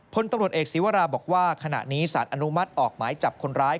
พลตำรวจเอกศีวราบอกว่าขณะนี้สารอนุมัติออกหมายจับคนร้าย